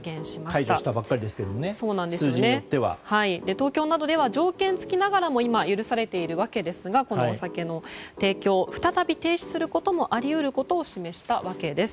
東京などでは条件付きながらも許されているわけですがこのお酒の提供を再び停止することをあり得ることを示したわけです。